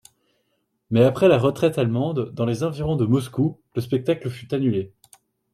Mais après la retraite allemande dans les environs de Moscou, le spectacle fut annulé.